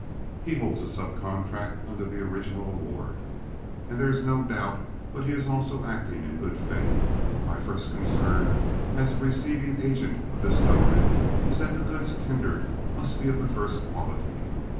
He holds a sub contract under the original award, and there is no doubt but he is also acting in good faith. My first concern as a receiving agent of this government is that the goods tendered must be of the first quality.